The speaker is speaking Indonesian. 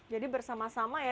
jadi bersama sama ya